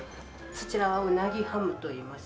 そちらはうなぎハムといいます。